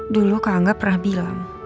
dulu kak angga pernah bilang